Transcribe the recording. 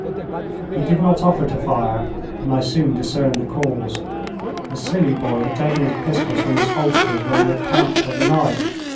He did not offer to fire, and I soon discerned the cause. The silly boy had taken his pistols from his holsters when he had camped for the night.